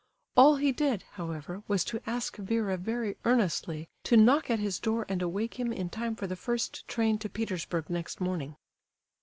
All he did, however, was to ask Vera very earnestly to knock at his door and awake him in time for the first train to Petersburg next morning.